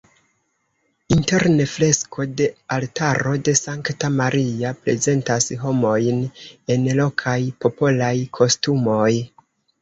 Interne fresko de altaro de Sankta Maria prezentas homojn en lokaj popolaj kostumoj.